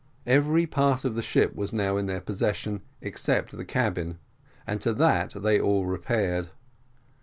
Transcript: Every part of the ship was now in their possession except the cabin, and to that they all repaired.